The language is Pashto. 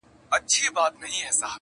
• زما بچي مي زه پخپله لویومه -